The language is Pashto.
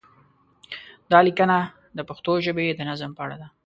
دا لیکنه د پښتو ژبې د نظم په اړه ده.